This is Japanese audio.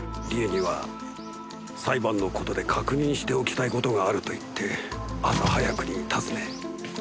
理恵には裁判の事で確認しておきたい事があると言って朝早くに訪ね。